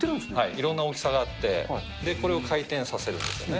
いろんな大きさがあって、これを回転させるんですよね。